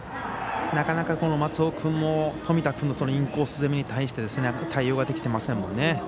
なかなか、松尾君も冨田君のインコース攻めに対して対応ができていませんもんね。